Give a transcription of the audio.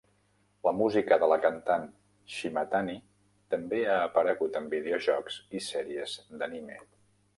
La música de la cantant Shimatani també ha aparegut en videojocs i sèries d'anime.